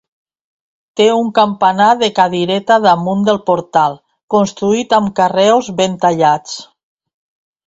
Té un campanar de cadireta damunt del portal, construït amb carreus ben tallats.